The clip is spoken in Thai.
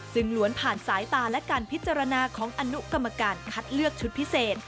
ซึ่งล้วนผ่านสายตาและการพิจารณาของอนุกรรมการคัดเลือกชุดพิเศษ